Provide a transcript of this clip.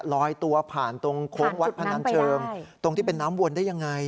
ลอยตัวผ่านตรงโค้งวัดพนันเชิงตรงที่เป็นน้ำวนได้ยังไง